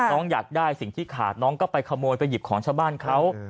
น้องอยากได้สิ่งที่ขาดน้องก็ไปขโมยไปหยิบของชาวบ้านเขา